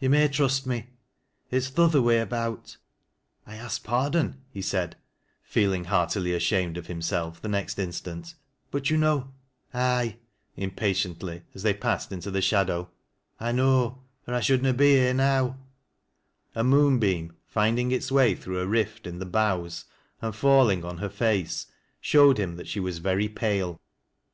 "Tc maj mist me. It's th' other way about." " I ask pardon," he said, feeling heartily asliamed d himself the next instant, " but you know —"" Aye," impatiently, as they passed into the shadow, " I know, or I should na be here now " A moonbeam, finding its way through a rift in the boughs and falling on her face, showed him that she wag very pale.